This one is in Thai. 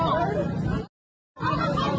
เป็นไรบ้างไง